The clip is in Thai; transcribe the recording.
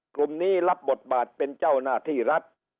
กลุ่มนี้รับบทบาทเป็นเจ้าหน้าที่รัฐ